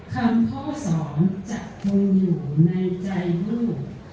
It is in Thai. คำข้อสองจะคงอยู่ในใจลูก